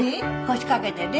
腰掛けてね。